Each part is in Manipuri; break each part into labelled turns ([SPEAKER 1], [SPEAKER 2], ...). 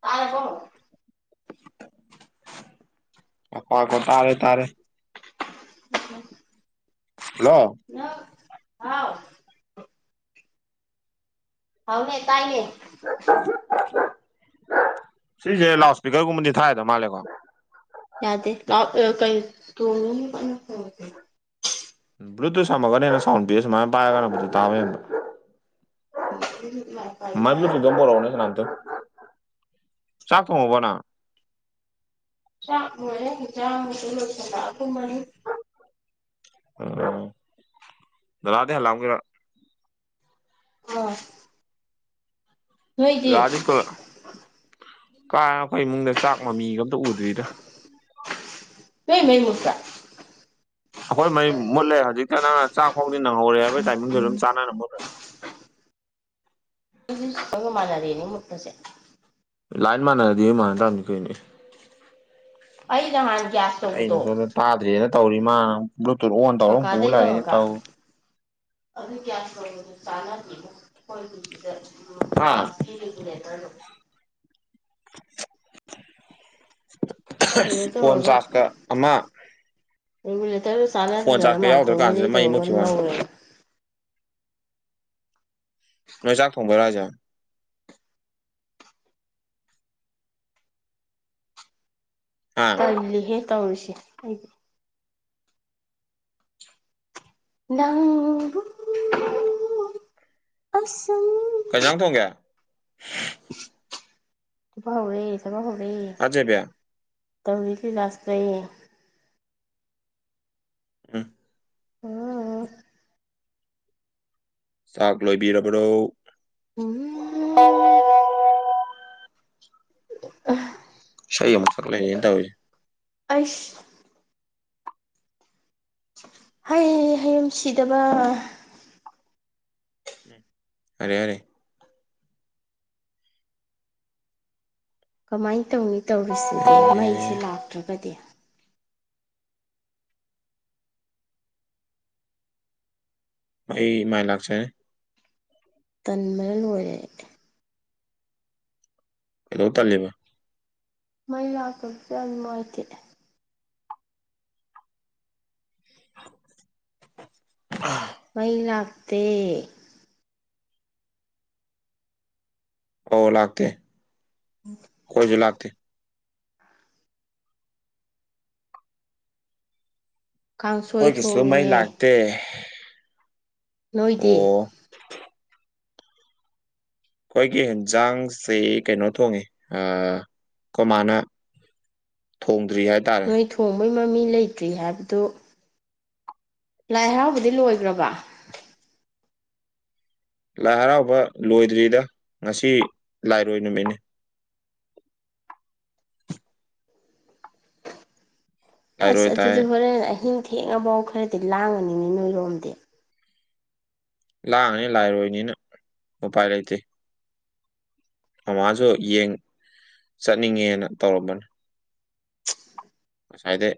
[SPEAKER 1] ꯇꯥꯔ ꯕꯣ
[SPEAKER 2] ꯇꯥꯔꯦ ꯇꯥꯔꯦ
[SPEAKER 1] ꯎꯝ
[SPEAKER 2] ꯍꯜꯂꯣ
[SPEAKER 1] ꯑꯥꯎ ꯍꯥꯎꯅꯦ ꯇꯥꯏꯅꯦ
[SPEAKER 2] ꯁꯤꯁꯦ ꯂꯥꯎꯠ ꯏꯁꯄꯤꯀꯔꯒꯨꯝꯕꯗꯤ ꯊꯥꯕ ꯌꯥꯗ ꯃꯥꯜꯂꯦꯀꯣ
[SPEAKER 1] ꯌꯥꯗꯦ ꯂꯥꯎꯠ
[SPEAKER 2] ꯕ꯭ꯂꯨꯇꯨꯠ ꯁꯝꯃꯛꯒꯅꯤꯅ ꯁꯥꯎꯟ ꯄꯦꯁ ꯃꯥꯏꯅ ꯄꯥꯏꯔꯒꯅ ꯇꯥꯕ ꯍꯟꯕ [unintelligible] ꯀꯩꯅꯣꯝꯇ ꯆꯥꯛ ꯊꯣꯡꯉꯕꯣ ꯅꯪ
[SPEAKER 1] ꯆꯥꯛ ꯂꯣꯏꯔꯦ ꯏꯟꯖꯥꯡꯖꯨ ꯂꯣꯏꯁꯤꯜꯂꯛ ꯑꯕꯒꯨꯝꯕꯅꯤ
[SPEAKER 2] ꯑꯣ ꯗꯥꯗꯥꯗꯤ ꯍꯜꯂꯛꯑꯝꯒꯤꯂꯣꯏ
[SPEAKER 1] ꯑ ꯅꯣꯏꯗꯤ
[SPEAKER 2] ꯀꯥ ꯑꯩꯈꯣꯏ ꯏꯃꯨꯡꯗ ꯆꯥꯛ ꯃꯃꯤꯒ ꯑꯝꯇ ꯎꯗ꯭ꯔꯤꯗ
[SPEAKER 1] ꯅꯣꯏ ꯃꯩ ꯃꯨꯠꯄꯔꯥ
[SPEAKER 2] ꯑꯩꯈꯣꯏ ꯃꯩ ꯃꯨꯠꯂꯦ ꯍꯧꯖꯤꯛꯇ ꯅꯪ ꯆꯥꯛ ꯐꯧꯗꯤ ꯅꯪꯍꯧꯔꯦ ꯍꯥꯏꯕꯒꯤ ꯇꯥꯏꯃꯤꯡꯗꯨꯣ ꯑꯗꯨꯝ ꯆꯥꯟꯅꯅ ꯃꯨꯠꯂꯦ
[SPEAKER 1] ꯈꯣꯏꯒ ꯃꯥꯟꯅꯔꯦꯅꯦ ꯃꯨꯠꯄꯖꯦ
[SPEAKER 2] ꯂꯥꯏꯟ ꯃꯥꯟꯅꯔꯗꯤ ꯃꯥꯟꯅꯇꯕꯅꯤ ꯀꯩꯅꯣ ꯑꯦ
[SPEAKER 1] ꯑꯩ ꯅ ꯍꯥꯟ
[SPEAKER 2] ꯑꯩꯅ ꯁꯣꯝꯗ ꯇꯥꯗ꯭ꯔꯦꯅ ꯇꯧꯔꯤ ꯃꯥ ꯕ꯭ꯂꯨꯇꯨꯠ ꯑꯣꯟ ꯇꯧꯔ ꯄꯨ
[SPEAKER 1] ꯀꯀꯥꯗꯩ
[SPEAKER 2] ꯂꯥꯛꯑꯦꯅ
[SPEAKER 1] ꯇꯧꯔꯒ
[SPEAKER 2] ꯇꯧ
[SPEAKER 1] ꯑꯗꯨ ꯒꯤꯌꯥꯁ ꯂꯧꯕꯗꯣ ꯆꯥꯟꯅꯗꯦꯗ ꯑꯩꯈꯣꯏꯒꯤ ꯁꯤꯗ ꯎꯝ
[SPEAKER 2] ꯍꯥ
[SPEAKER 1] ꯒꯤꯌꯥꯁ ꯀꯤ ꯔꯤꯒꯨꯂꯦꯇꯔ ꯗꯣ ꯀꯩꯅꯣ
[SPEAKER 2] ꯐꯣꯟ ꯆꯥꯔꯖꯀ ꯑꯃ
[SPEAKER 1] ꯔꯤꯒꯨꯂꯦꯇꯔ
[SPEAKER 2] ꯐꯣꯟ
[SPEAKER 1] ꯆꯥꯟꯅꯗꯗꯅ
[SPEAKER 2] ꯆꯥꯔꯖꯀ ꯌꯥꯎꯗ꯭ꯔ ꯀꯥꯟꯁꯤꯗ
[SPEAKER 1] ꯃꯥꯥꯝꯇꯣꯟꯗꯩ
[SPEAKER 2] ꯃꯩ
[SPEAKER 1] ꯇꯧꯔꯒ
[SPEAKER 2] ꯃꯨꯠꯈꯤꯕ
[SPEAKER 1] ꯂꯧꯔꯦ
[SPEAKER 2] ꯅ ꯆꯥꯥꯛ ꯊꯣꯡꯗꯣꯏꯔ ꯍꯥꯏꯁꯦ ꯑꯥ
[SPEAKER 1] ꯇꯜꯂꯤꯍꯦ ꯇꯧꯔꯤꯁꯦ ꯑꯩꯗꯤ ꯅꯪꯕꯨ ꯑꯁꯨꯛ
[SPEAKER 2] ꯀꯩꯖꯥꯡ ꯊꯣꯡꯒꯦ
[SPEAKER 1] ꯆꯕ ꯍꯧꯔꯦ ꯆꯕ ꯍꯧꯔꯦ
[SPEAKER 2] ꯑꯥꯆꯦꯕꯤ
[SPEAKER 1] ꯇꯧꯔꯤꯂꯤ ꯂꯥꯁꯦ
[SPEAKER 2] ꯎꯝ
[SPEAKER 1] ꯎꯝꯎꯝ
[SPEAKER 2] ꯆꯥꯛ ꯂꯣꯏꯕꯤꯔꯕ꯭ꯔꯣ
[SPEAKER 1] ꯎꯝ ꯑꯦ
[SPEAKER 2] ꯏꯁꯩ ꯑꯃꯨꯛ ꯁꯛ ꯂꯩꯔꯦ ꯇꯧꯔꯤꯁꯦ꯫
[SPEAKER 1] ꯑꯁ ꯍꯥꯏ ꯍꯌꯨꯝ ꯁꯤꯗꯕ
[SPEAKER 2] ꯎꯃ ꯌꯥꯔꯦ ꯌꯥꯔꯦ
[SPEAKER 1] ꯀꯃꯥꯏꯅ ꯇꯧꯅꯤ ꯇꯧꯔꯤꯁꯤꯗꯤ ꯃꯩꯁꯦ ꯂꯥꯛꯇ꯭ꯔꯒꯗꯤ
[SPEAKER 2] ꯃꯩ ꯃꯥꯏ ꯂꯥꯛꯆꯅꯤ
[SPEAKER 1] ꯇꯟꯕꯅ ꯂꯣꯏꯔꯦ
[SPEAKER 2] ꯀꯩꯗꯧ ꯇꯜꯂꯤꯕ
[SPEAKER 1] ꯃꯩ ꯂꯥꯛꯇꯕꯁꯤ ꯌꯥꯝ ꯅꯨꯡꯉꯥꯏꯇꯦ
[SPEAKER 2] ꯑꯥ
[SPEAKER 1] ꯃꯩ ꯂꯥꯥꯛꯇꯦ
[SPEAKER 2] ꯑꯣ ꯂꯥꯛꯇꯦ ꯈꯣꯏꯁꯨ ꯂꯥꯛꯇꯦ
[SPEAKER 1] ꯀꯥꯡꯁꯣꯏ
[SPEAKER 2] ꯑꯩꯈꯣꯏꯒꯤꯁꯨ ꯃꯩ
[SPEAKER 1] ꯊꯣꯡꯉꯤꯅꯦ
[SPEAKER 2] ꯂꯥꯛꯇꯦ ꯑꯣ
[SPEAKER 1] ꯅꯣꯏꯗꯤ
[SPEAKER 2] ꯑꯩꯈꯣꯏꯒꯤ ꯍꯦꯟꯖꯥꯡꯁꯤ ꯀꯩꯅꯣ ꯊꯣꯡꯉꯦ ꯑꯥ ꯀꯣꯃꯥꯅ ꯊꯣꯡꯗ꯭ꯔꯤ ꯍꯥꯏꯇꯥꯔꯦ
[SPEAKER 1] ꯃꯣꯏ ꯃꯃꯤ ꯂꯩꯇ꯭ꯔꯤ ꯍꯥꯏꯕꯗꯨ ꯂꯥꯏ ꯍꯔꯥꯎꯕꯗꯤ ꯂꯣꯏꯒ꯭ꯔꯕ
[SPEAKER 2] ꯂꯥꯏ ꯍꯔꯥꯎꯕ ꯂꯣꯏꯗ꯭ꯔꯤꯗ ꯉꯁꯤ ꯂꯥꯏꯔꯣꯏ ꯅꯨꯃꯤꯠꯅꯤ
[SPEAKER 1] ꯑꯁ
[SPEAKER 2] ꯂꯥꯏꯔꯣꯏ ꯇꯥꯏ
[SPEAKER 1] ꯑꯗꯨꯗꯤ ꯍꯣꯔꯦꯟ ꯑꯍꯤꯡ ꯊꯦꯡꯉꯐꯥꯎ ꯈꯔꯗꯤ ꯂꯥꯡꯉꯅꯤꯅꯦ ꯅꯣꯏꯔꯣꯝꯗꯤ
[SPEAKER 2] ꯂꯥꯡꯉꯅꯤ ꯂꯥꯏꯔꯣꯏꯅꯤꯅ ꯎꯄꯥꯏ ꯂꯩꯇꯦ ꯃꯃꯥꯁꯨ ꯌꯦꯡ ꯆꯠꯅꯤꯡꯉꯦꯅ ꯇꯧꯔꯝꯕꯅꯤ ꯉꯁꯥꯏꯗꯩꯩ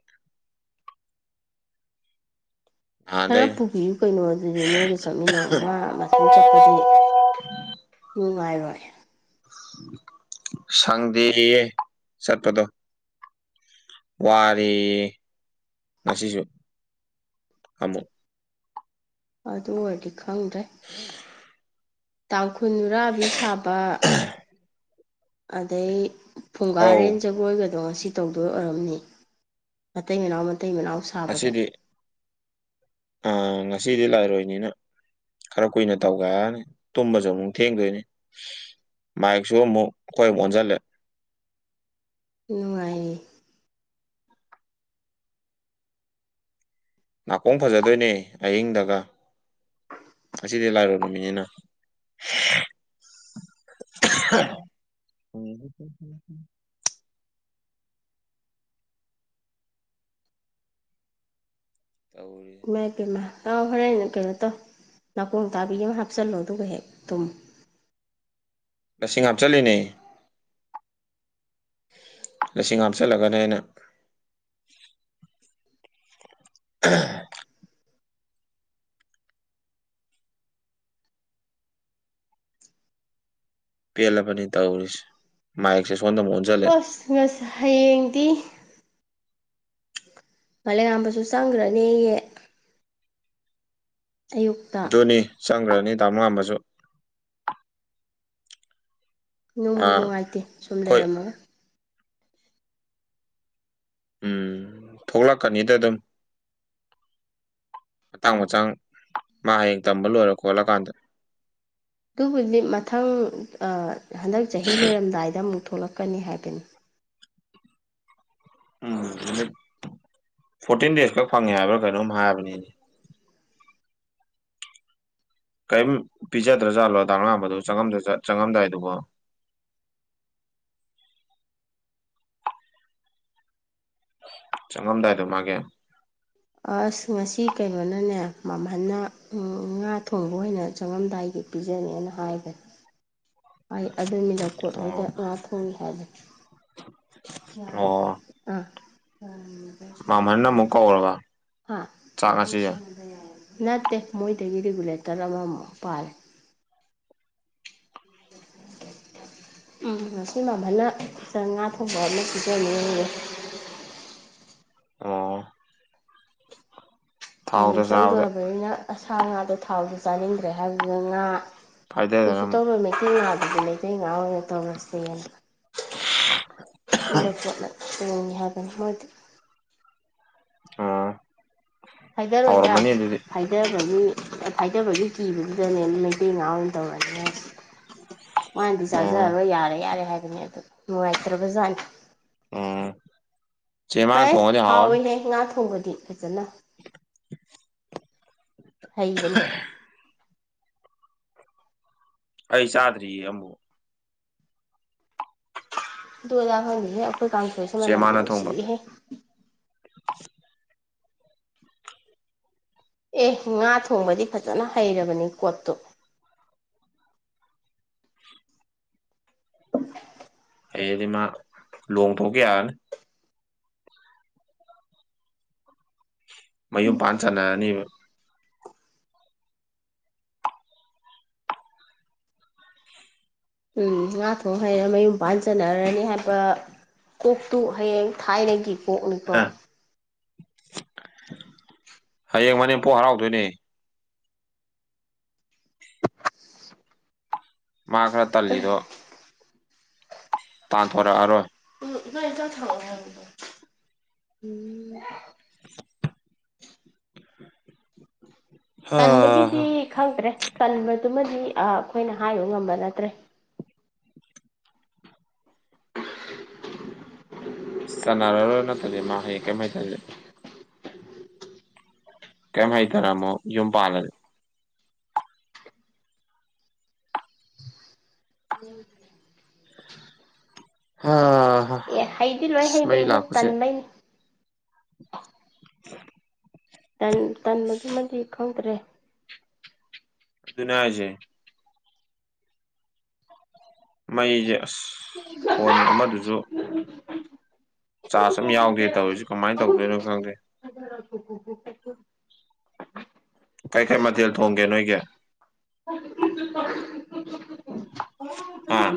[SPEAKER 1] ꯈꯔ ꯄꯨꯕꯤꯌꯨ ꯀꯩꯅꯣ ꯑꯗꯨꯗꯤ ꯅꯣꯏꯒ ꯆꯠꯃꯤꯟꯅꯧ ꯃꯥ ꯃꯊꯟ ꯆꯠꯄꯗꯤ ꯅꯨꯉꯥꯏꯔꯣꯏ
[SPEAKER 2] ꯁꯪꯗꯦꯌꯦ ꯆꯠꯄꯗꯣ ꯋꯥꯔꯦꯌꯦ ꯉꯁꯤꯁꯨ ꯑꯃꯨꯛ
[SPEAKER 1] ꯑꯗꯨ ꯑꯣꯏꯔꯗꯤ ꯈꯪꯗ꯭ꯔꯦ ꯇꯥꯡꯈꯨꯜ ꯅꯨꯔꯥꯕꯤ ꯁꯥꯕ ꯑꯗꯩ
[SPEAKER 2] ꯑꯧ
[SPEAKER 1] ꯐꯨꯡꯒꯥꯔꯦꯟ ꯖꯒꯣꯏꯒꯗꯣ ꯉꯁꯤ ꯇꯧꯗꯣꯏ ꯑꯣꯏꯔꯝꯅꯤ ꯃꯇꯩ ꯃꯅꯥꯎ ꯃꯇꯩ ꯃꯅꯥꯎ ꯁꯥꯕꯗꯣ
[SPEAKER 2] ꯉꯁꯤꯗꯤ ꯑꯥ ꯉꯁꯤꯗꯤ ꯂꯩꯥꯏꯔꯣꯏꯅꯤꯅ ꯈꯔ ꯀꯨꯏꯅ ꯇꯧꯒꯦ ꯍꯥꯏꯅꯤ ꯇꯨꯝꯕꯁꯨ ꯑꯃꯨꯛ ꯊꯦꯡꯗꯣꯏꯅꯤ ꯃꯥꯥꯏꯛꯁꯨ ꯑꯃꯨꯛ ꯑꯩꯈꯣꯏ ꯑꯃꯨꯛ ꯑꯣꯟꯁꯤꯜꯂꯦ
[SPEAKER 1] ꯅꯨꯡꯉꯥꯏꯌꯦ
[SPEAKER 2] ꯅꯥꯀꯣꯡ ꯐꯖꯗꯣꯏꯅꯦ ꯑꯍꯤꯡꯗꯒ ꯉꯁꯤꯗꯤ ꯂꯥꯏꯔꯣꯏ ꯅꯨꯃꯤꯠꯅꯤꯅ ꯑꯍꯝ ꯍꯨꯝ ꯍꯨꯝ ꯍꯨꯝ ꯍꯨꯝ ꯇꯧꯔꯤ
[SPEAKER 1] ꯏꯃꯥꯏ ꯄꯦꯝꯃ ꯑꯥꯎ ꯍꯣꯔꯦꯟ ꯀꯩꯅꯣ ꯇꯧ ꯅꯥꯀꯣꯡ ꯇꯥꯕꯤ ꯑꯃ ꯍꯥꯞꯆꯤꯜꯂꯣ ꯑꯗꯨꯒ ꯍꯦꯛ ꯇꯨꯝꯃꯣ [inaudible]
[SPEAKER 2] ꯂꯁꯤꯡ ꯍꯥꯞꯆꯜꯂꯤꯅꯦ ꯂꯁꯤꯡ ꯍꯥꯞꯆꯜꯂꯒꯅꯦ ꯟꯩꯅ [unintelligible] ꯑꯍ ꯄꯦꯜꯂꯕꯅꯤ ꯇꯧꯔꯤꯁꯦ ꯃꯥꯥꯏꯛꯁꯦ
[SPEAKER 1] ꯍꯣꯁ ꯉꯁ ꯍꯌꯦꯡꯗꯤ ꯃꯥꯂꯦꯝꯉꯥꯡꯕꯁꯨ ꯆꯪꯒ꯭ꯔꯅꯤꯌꯦ ꯑꯌꯨꯛꯇ
[SPEAKER 2] ꯆꯪꯒ꯭ꯔꯅꯤ ꯇꯥꯃꯣ ꯉꯥꯟꯕꯁꯨ ꯑꯥ
[SPEAKER 1] ꯅꯨꯡꯕꯨ
[SPEAKER 2] ꯑꯩꯈꯣꯏ
[SPEAKER 1] ꯅꯨꯡꯉꯥꯏꯇꯦ ꯁꯨꯝ ꯂꯩꯔꯝꯃꯒ
[SPEAKER 2] ꯎꯝ ꯊꯣꯛꯂꯛꯀꯅꯤꯗ ꯑꯗꯨꯝ ꯃꯇꯥꯡ ꯃꯆꯥꯡ ꯃꯥ ꯍꯌꯦꯡ ꯇꯝꯕ ꯂꯣꯏꯔ ꯈꯣꯠꯂꯀꯥꯟꯗ
[SPEAKER 1] ꯑꯗꯨꯕꯨꯗꯤ ꯃꯊꯪ ꯑꯥ ꯍꯟꯗꯛ ꯆꯍꯤ ꯂꯣꯏꯔꯝꯗꯥꯏꯗ ꯑꯃꯨꯛ ꯊꯣꯛꯂꯛꯀꯅꯤ ꯍꯥꯏꯕꯅꯤ
[SPEAKER 2] ꯎꯝ ꯅꯨꯃꯤꯠ ꯐꯣꯔꯇꯤꯟ ꯗꯦꯖ ꯈꯛ ꯐꯪꯉꯦ ꯍꯥꯏꯕ꯭ꯔꯥ ꯀꯩꯅꯣꯝ ꯍꯥꯏꯕꯅꯤꯅꯦ ꯀꯩꯌꯝ ꯄꯤꯖꯗ꯭ꯔꯖꯥꯠꯂꯣ ꯗꯥ [unintelligible] ꯕꯗꯣ ꯆꯪꯉꯝꯗ ꯆ-ꯆꯪꯉꯝꯗꯥꯏꯗꯨꯕꯣ
[SPEAKER 1] [inaudible]
[SPEAKER 2] ꯆꯪꯉꯝꯗꯥꯏ ꯗꯣ ꯃꯥꯒꯤ
[SPEAKER 1] ꯑꯁ ꯉꯁꯤ ꯀꯩꯅꯣꯅꯅꯦ ꯃꯝꯍꯟꯅ ꯉꯥ ꯊꯣꯡꯕ ꯑꯣꯏꯅ ꯆꯪꯉꯝꯗꯥꯏ ꯒꯤ ꯄꯤꯖꯅꯦꯅ ꯍꯥꯏꯕꯅꯤ ꯍꯥꯏ ꯑꯗꯨꯅꯤ ꯂꯝꯀꯣꯠꯍꯣꯏꯗ
[SPEAKER 2] ꯑꯣ
[SPEAKER 1] ꯉꯥ ꯊꯣꯡꯉꯤ ꯍꯥꯏꯕꯅꯤ
[SPEAKER 2] ꯑꯣ
[SPEAKER 1] [unintelligible] ꯑꯥ
[SPEAKER 2] ꯃꯥꯝꯍꯟꯅ ꯑꯃꯨꯛ ꯀꯧꯔꯕ
[SPEAKER 1] [unintelligible] ꯍꯥ
[SPEAKER 2] ꯆꯥꯛ ꯉꯁꯤ
[SPEAKER 1] [unintelligible] ꯅꯠꯇꯦ ꯃꯣꯏꯗꯒꯤ ꯔꯤꯒꯨꯂꯦꯇꯔ ꯑꯃꯃꯨꯛ ꯄꯥꯜꯂꯦ [inaudible] ꯎꯝ ꯉꯁꯤ ꯃꯥꯝꯍꯟꯅ ꯏꯆꯥ ꯉꯥ ꯊꯣꯡꯕ ꯑꯃ ꯁꯤꯖꯅꯤꯌꯦ [inaudible]
[SPEAKER 2] ꯑꯣ
[SPEAKER 1] ꯍꯌꯦꯡ
[SPEAKER 2] ꯊꯥꯎꯗ ꯆꯥꯕꯗ
[SPEAKER 1] ꯆꯪꯗꯣꯔꯕꯅꯤꯅ ꯑꯁ ꯁꯥ ꯉꯥꯗꯣ ꯊꯥꯎꯗꯣ ꯆꯥꯅꯤꯡꯗ꯭ꯔꯦ ꯍꯥꯏꯕꯗꯨꯗ ꯉꯥ
[SPEAKER 2] ꯐꯥꯏꯗꯗꯅ
[SPEAKER 1] ꯀꯩꯁꯨ
[SPEAKER 2] ꯑꯃꯨꯛ
[SPEAKER 1] ꯇꯧꯔꯣꯏ ꯃꯩꯇꯩ ꯉꯥ ꯃꯩꯇꯩ ꯉꯥ ꯑꯣꯏꯅ ꯇꯧꯔꯁꯦꯅ [unintelligible] ꯍꯥꯏ [unintelligible]
[SPEAKER 2] ꯑꯣ
[SPEAKER 1] ꯐꯥꯏꯗꯔꯣꯏꯗ
[SPEAKER 2] ꯍꯥꯎꯔꯝꯃꯅꯤ ꯑꯗꯨꯗꯤ
[SPEAKER 1] ꯐꯥꯏꯗꯕꯒꯤ ꯐꯥꯏꯗꯕꯒꯤ ꯀꯤꯕꯗꯨꯗꯅꯦ ꯃꯩꯇꯩ ꯉꯥ ꯑꯣꯏꯅ ꯇꯧꯔꯅꯤ ꯍꯥꯏꯁꯦ ꯃꯥꯅꯗꯤ
[SPEAKER 2] ꯑꯣ
[SPEAKER 1] ꯆꯥꯖꯔꯔꯣꯏ ꯌꯥꯔꯦ ꯌꯥꯔꯦ ꯍꯥꯏꯕꯅꯦ ꯑꯗꯨ ꯅꯨꯡꯉꯥꯏꯇ꯭ꯔꯕꯖꯥꯠꯅꯤ
[SPEAKER 2] ꯎꯝ ꯆꯦ ꯃꯥꯅ
[SPEAKER 1] ꯍꯣꯏ
[SPEAKER 2] ꯊꯣꯡꯉꯗꯤ ꯍꯥꯎꯔꯅꯤ
[SPEAKER 1] ꯍꯥꯎꯋꯤꯍꯦ ꯉꯥ ꯊꯣꯡꯕꯗꯤ ꯐꯖꯅ ꯍꯩꯕꯅꯤ
[SPEAKER 2] ꯑꯩ ꯆꯥꯗ꯭ꯔꯤꯌꯦ ꯑꯃꯕꯨ
[SPEAKER 1] ꯑꯗꯨ ꯑꯗꯥ ꯈꯪꯗꯦꯍꯦ ꯑꯩꯈꯣꯏ ꯀꯥꯡꯁꯣꯏꯁꯦ
[SPEAKER 2] ꯆꯦ
[SPEAKER 1] ꯃꯅꯝꯗꯤ
[SPEAKER 2] ꯃꯥꯅ ꯊꯣꯡꯕ
[SPEAKER 1] ꯅꯨꯡꯁꯤꯍꯦ
[SPEAKER 2] [inaudible]
[SPEAKER 1] ꯑꯦ ꯉꯥ ꯊꯣꯡꯕꯗꯤ ꯐꯖꯅ ꯍꯩꯔꯕꯅꯤ ꯀꯣꯠꯇꯣ [inaudible]
[SPEAKER 2] ꯍꯩꯔꯗꯤ ꯃꯥ ꯂꯨꯍꯣꯡ ꯊꯣꯛꯈꯤ ꯌꯥꯔꯅꯤ ꯃꯌꯨꯝ ꯄꯥꯟ ꯆꯟꯅꯔꯅꯤꯕ
[SPEAKER 1] ꯎꯝ ꯉꯥ ꯊꯣꯡ ꯍꯩꯔ ꯃꯌꯨꯝ ꯄꯥꯟ ꯆꯟꯅꯔꯅꯤ ꯍꯥꯏꯕ ꯀꯣꯛꯇꯨ ꯍꯌꯦꯡ ꯊꯥꯏꯅꯒꯤ ꯀꯣꯛꯅꯤꯀꯣ
[SPEAKER 2] ꯑ ꯍꯌꯦꯡ ꯃꯅꯦꯝꯄꯣꯛ ꯍꯔꯥꯎꯗꯣꯏꯅꯦ ꯃꯥ ꯈꯔ ꯇꯜꯂꯤꯗꯣ ꯇꯥꯟꯊꯣꯔꯛꯑꯔꯣꯏ
[SPEAKER 1] ꯏꯃꯥꯒꯤ ꯆꯥꯛ [unintelligible] ꯎꯝ [inaudible]
[SPEAKER 2] ꯍꯥ
[SPEAKER 1] ꯇꯟꯕꯒꯤꯗꯤ
[SPEAKER 2] ꯍꯥ
[SPEAKER 1] ꯈꯪꯗ꯭ꯔꯦ ꯇꯟꯕ ꯑꯗꯨꯃꯗꯤ ꯑ ꯑꯩꯈꯣꯏꯅ ꯍꯥꯏꯔꯨ ꯉꯝꯕ ꯅꯠꯇ꯭ꯔꯦ
[SPEAKER 2] ꯆꯟꯅꯔꯔꯣꯏ ꯅꯠꯇ꯭ꯔꯗꯤ ꯃꯥ ꯍꯌꯦ ꯀꯩꯝ ꯍꯩꯇ꯭ꯔꯗꯤ ꯀꯩꯝ ꯍꯩꯇꯅ ꯑꯃꯨꯛ ꯌꯨꯝ ꯄꯥꯟꯂꯗ ꯍ ꯍꯥ
[SPEAKER 1] ꯑꯦ ꯍꯩꯗꯤ ꯂꯣꯏ
[SPEAKER 2] ꯑꯁ ꯃꯩ
[SPEAKER 1] ꯍꯩꯕꯅꯤꯍꯦ
[SPEAKER 2] ꯂꯥꯛꯄꯁꯦ
[SPEAKER 1] ꯇꯟꯕꯩꯅꯤ
[SPEAKER 2] [inaudible]
[SPEAKER 1] ꯇꯟ ꯇꯟꯕꯗꯨꯃꯗꯤ ꯈꯪꯗ꯭ꯔꯦ
[SPEAKER 2] ꯑꯗꯨꯅꯦ ꯍꯥꯏꯖꯦ ꯃꯩꯁꯦ ꯑꯁ ꯐꯣꯟ ꯑꯃꯗꯨꯁꯨ ꯆꯥꯔꯖ ꯑꯝ ꯌꯥꯎꯗꯦ ꯇꯧꯔꯤꯁꯤ ꯀꯃꯥꯢ ꯇꯧꯗꯣꯏꯅꯣ ꯈꯪꯗꯦ
[SPEAKER 1] ꯍꯣ ꯍꯣ ꯍꯣ ꯍꯣ ꯍꯣ
[SPEAKER 2] ꯀꯩ ꯀꯩ ꯃꯊꯦꯜ ꯊꯣꯡꯒꯦ ꯅꯣꯏꯒꯤ
[SPEAKER 1] [inaudible]
[SPEAKER 2] ꯑꯥ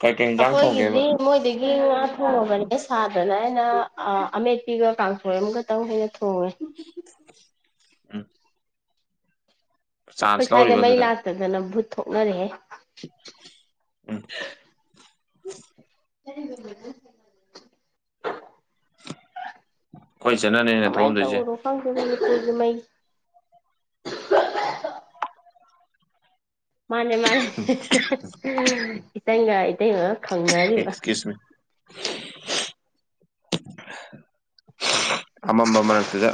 [SPEAKER 2] ꯀꯩꯀꯩ ꯏꯟꯖꯥꯡ
[SPEAKER 1] ꯑꯈꯣꯏꯒꯤꯗꯤ
[SPEAKER 2] ꯊꯣꯡꯒꯦꯕ
[SPEAKER 1] ꯃꯣꯏꯗꯤ ꯑꯩ ꯉꯥ ꯊꯣꯡꯉꯕꯅꯦ ꯁꯥꯗꯅ ꯑꯩꯅ ꯑ ꯑꯃꯦꯠꯄꯤꯒ ꯀꯥꯡꯁꯣꯏ ꯑꯃꯒꯇꯪ ꯍꯦꯟꯅ ꯊꯣꯡꯉꯦ ꯎ
[SPEAKER 2] ꯎꯝ
[SPEAKER 1] ꯑꯩꯈꯣꯏ
[SPEAKER 2] ꯆꯥꯟꯁ
[SPEAKER 1] ꯁ꯭ꯋꯥꯏꯗ
[SPEAKER 2] ꯂꯧꯔꯤꯕ
[SPEAKER 1] ꯃꯩ
[SPEAKER 2] ꯑꯗꯨꯗ
[SPEAKER 1] ꯂꯥꯛꯇꯗꯅ ꯚꯨꯠ ꯊꯣꯛꯅꯔꯦꯍꯦ
[SPEAKER 2] ꯎꯝ
[SPEAKER 1] [unintelligible]
[SPEAKER 2] ꯑꯩꯈꯣꯏ ꯏꯆꯟꯅꯅꯦ
[SPEAKER 1] ꯀꯃꯥꯏ
[SPEAKER 2] ꯊꯣꯛꯑꯝꯗꯣꯏꯁꯦ
[SPEAKER 1] ꯇꯨꯔꯣ ꯈꯪ [unintelligible] ꯏꯗꯨ ꯃꯩ ꯃꯥꯅꯦ ꯃꯥꯅꯦ ꯏꯇꯪꯒ ꯏꯇꯩꯃꯒ ꯈꯪꯅꯔꯤꯕ
[SPEAKER 2] ꯑꯦꯛꯁꯀ꯭ꯌꯨꯁ ꯃꯤ
[SPEAKER 1] [inaudible]
[SPEAKER 2] ꯑꯃꯝꯕ ꯃꯔꯛꯇꯨꯗ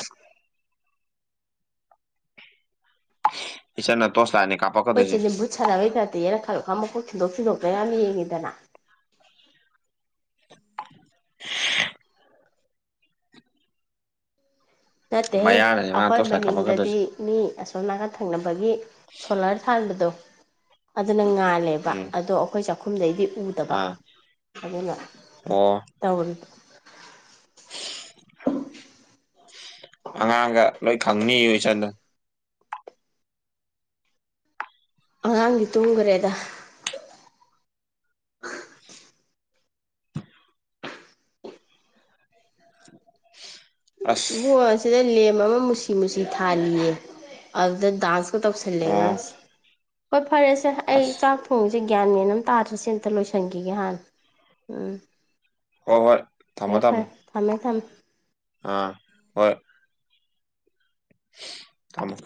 [SPEAKER 2] ꯏꯆꯟꯅ ꯇꯣꯁ ꯂꯥꯏꯠꯅꯤ
[SPEAKER 1] ꯀꯣꯏ ꯆꯦꯗꯤ ꯕꯨꯠ ꯁꯥꯅꯕꯩ ꯇꯥꯞꯇ ꯌꯦꯅꯛ ꯈꯔ ꯈ ꯃꯈꯨꯠ ꯊꯤꯟꯗꯣꯛ ꯊꯤꯟꯗꯣꯛꯇꯅ ꯌꯥꯝ ꯌꯦꯡꯉꯤꯗꯅ
[SPEAKER 2] [inaudible]
[SPEAKER 1] ꯅꯠꯇꯦꯍꯦ
[SPEAKER 2] ꯃꯌꯥꯅꯁꯦ ꯃꯥꯅ
[SPEAKER 1] ꯑꯩꯈꯣꯏ
[SPEAKER 2] ꯇꯣꯁ ꯂꯥꯏꯠ
[SPEAKER 1] ꯃꯅꯤꯡꯗꯗꯤ
[SPEAKER 2] ꯀꯥꯞꯄꯛꯀꯗꯣꯏꯁꯦ
[SPEAKER 1] ꯃꯤ ꯑ ꯑꯁꯣꯝ ꯅꯥꯀꯟ ꯊꯪꯅꯕꯒꯤ ꯁꯣꯂꯔ ꯊꯥꯟꯕꯗꯣ ꯑꯗꯨꯅ ꯉꯥꯜꯂꯦꯕ
[SPEAKER 2] ꯎꯝ
[SPEAKER 1] ꯑꯗꯣ ꯑꯩꯈꯣꯏ ꯆꯥꯛꯈꯨꯝꯗꯩꯗꯤ ꯎꯗꯕ
[SPEAKER 2] ꯑꯥ
[SPEAKER 1] ꯑꯗꯨꯅ
[SPEAKER 2] ꯑꯣ
[SPEAKER 1] ꯇꯧꯔꯤ
[SPEAKER 2] ꯑꯉꯥꯡꯒ ꯂꯣꯏ ꯈꯪꯅꯤꯌꯨ ꯏꯆꯟꯗꯣ
[SPEAKER 1] ꯑꯉꯥꯡꯗꯤ ꯇꯨꯡꯒꯔꯦꯗ
[SPEAKER 2] ꯑꯁ
[SPEAKER 1] ꯏꯕꯨꯡꯉꯣ ꯑꯁꯤꯗ ꯂꯦꯝ ꯑꯃ ꯃꯨꯁꯤ ꯃꯨꯁꯤ ꯊꯥꯜꯂꯤꯌꯦ ꯑꯗꯨꯗ ꯗꯥꯟꯁ ꯇꯧꯁꯜꯂꯦ
[SPEAKER 2] ꯑꯣ
[SPEAKER 1] ꯑꯉꯥꯡꯁꯤ ꯍꯣꯏ ꯐꯔꯦ ꯁꯦ ꯑꯩ
[SPEAKER 2] ꯑꯁ
[SPEAKER 1] ꯆꯥꯛ ꯊꯣꯡꯕꯖ ꯒ꯭ꯌꯥꯟ ꯃꯦꯟ ꯑꯝ ꯇꯥꯗ꯭ꯔꯦ ꯁꯤ ꯑꯝꯇ ꯂꯣꯏꯁꯤꯟꯈꯤꯒꯦ ꯍꯥꯟꯅ ꯎꯝ
[SPEAKER 2] ꯍꯣꯍꯣꯏ
[SPEAKER 1] ꯐꯔꯦ ꯐꯔꯦ ꯊꯝꯃꯦ ꯊꯝꯃꯦ
[SPEAKER 2] ꯑꯥ ꯍꯣꯏ ꯊꯝꯃꯣ